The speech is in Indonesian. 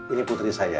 ini putri saya ya